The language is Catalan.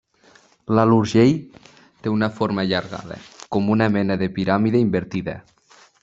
L'Alt Urgell té una forma allargada, com una mena de piràmide invertida.